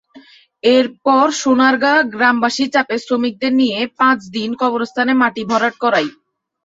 এরপর সোনারগাঁ গ্রামবাসীর চাপে শ্রমিকদের দিয়ে পাঁচ দিন কবরস্থানে মাটি ভরাট করাই।